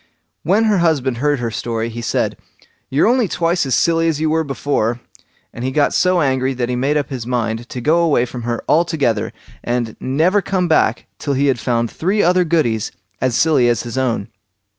When her husband heard her story, he said, "You're only twice as silly as you were before", and he got so angry that he made up his mind to go away from her altogether, and never to come back till he had found three other Goodies as silly as his own.